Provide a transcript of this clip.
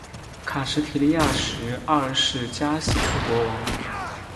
卡什提里亚什二世加喜特国王。